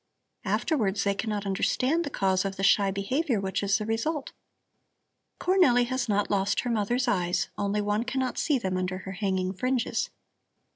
Afterwards they cannot understand the cause of the shy behavior which is the result. Cornelli has not lost her mother's eyes, only one cannot see them under her hanging fringes."